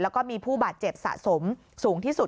แล้วก็มีผู้บาดเจ็บสะสมสูงที่สุด